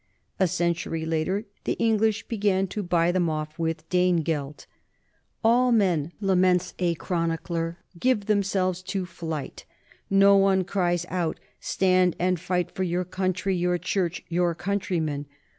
A century later the English began to buy them off with Danegeld. "All men," laments a chronicler, "give themselves to flight. No one cries out, Stand and fight for your country, your church, your countrymen.